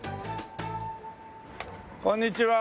こんにちは。